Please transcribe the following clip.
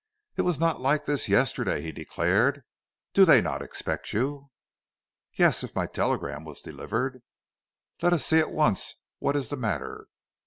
"It was not like this yesterday," he declared. "Do they not expect you?" "Yes, if my telegram was delivered." "Let us see at once what is the matter."